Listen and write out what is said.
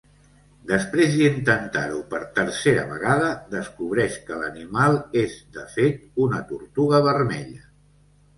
Després d'intentar-ho per tercera vegada, descobreix que l'animal és de fet una tortuga vermella.